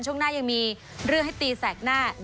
ช่วงหน้ายังมีเรื่องให้ตีแสกหน้า